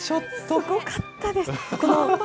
すごかったです。